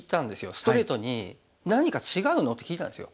ストレートに「何か違うの？」って聞いたんですよ。